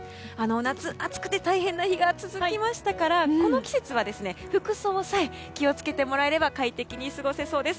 夏、暑くて大変な日が続きましたからこの季節は服装さえ気を付けてもらえれば快適に過ごせそうです。